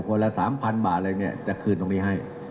คนละ๓๐๐๐บาทเลยจะคืนตรงนี้ให้